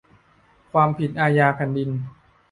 ความผิดอาญาแผ่นดิน